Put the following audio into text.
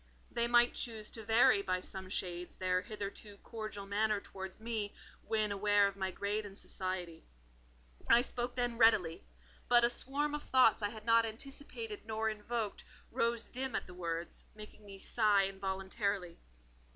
They might choose to vary by some shades their hitherto cordial manner towards me, when aware of my grade in society. I spoke then readily: but a swarm of thoughts I had not anticipated nor invoked, rose dim at the words, making me sigh involuntarily.